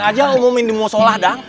kalo yang lain aja umumin dimu sholah dang